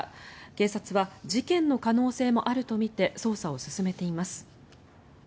警察は事件の可能性もあるとみて捜査を進めています。